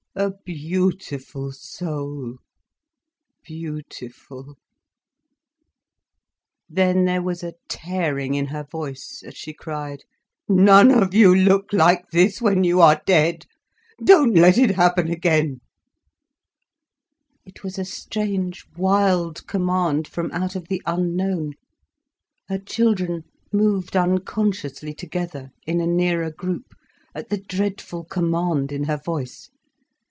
A beautiful soul, beautiful—" Then there was a tearing in her voice as she cried: "None of you look like this, when you are dead! Don't let it happen again." It was a strange, wild command from out of the unknown. Her children moved unconsciously together, in a nearer group, at the dreadful command in her voice.